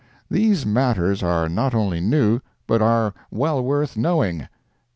These matters are not only new, but are well worth knowing.